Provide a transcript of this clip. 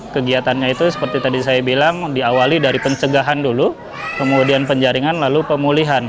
kegiatannya itu seperti tadi saya bilang diawali dari pencegahan dulu kemudian penjaringan lalu pemulihan